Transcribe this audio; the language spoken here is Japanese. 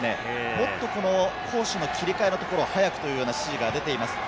もっと攻守の切り替えのところを早くというような指示が出ています。